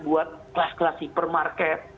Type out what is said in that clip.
buat kelas kelas supermarket